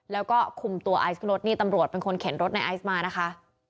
แล้วก็คุมตัวไอซ์รถนี่ตำรวจเป็นคนเข็นรถในไอซ์มานะคะ